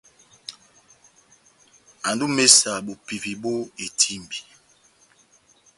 Ando ó imésa bopivi bó etímbi.